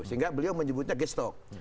sehingga beliau menyebutnya gestok